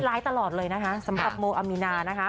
ตลอดเลยนะคะสำหรับโมอามีนานะคะ